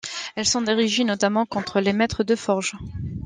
Elles sont dirigées notamment contre les maîtres de forges.